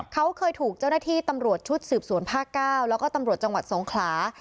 เขาเคยถูกเจ้าหน้าที่ตำรวจชุดสืบสวนภาค๙แล้วก็ตำรวจจังหวัดสงขลา